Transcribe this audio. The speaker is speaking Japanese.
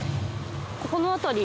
ここの辺り。